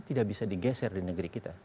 tidak bisa digeser di negeri kita